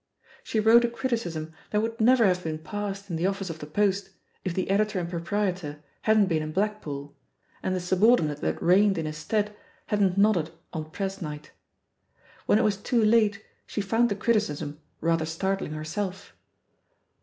She wrote H criticism that would never have been passed in the office of The Post if the editor and proprietor hadn't been in Blackpool, and the subordinate that reigned in his stead hadn't nodded on press night. "When it was too late she f oimd the criti cism rather startling herself.